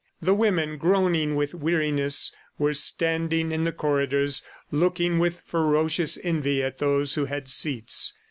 The women, groaning with weariness, were standing in the corridors, looking with ferocious envy at those who had seats.